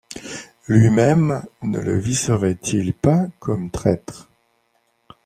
Lui-même, ne le viseraient-ils pas comme traître ?